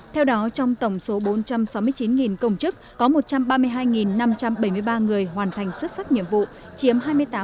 theo đó trong tổng số bốn trăm sáu mươi chín công chức có một trăm ba mươi hai năm trăm bảy mươi ba người hoàn thành xuất sắc nhiệm vụ chiếm hai mươi tám